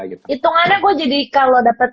itungannya gue jadi kalo dapet